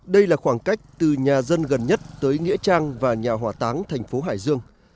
đây là khoảng cách từ nhà dân gần nhất tới nghĩa trang và nhà hỏa táng thành phố hải dương